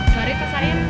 sorry kak sain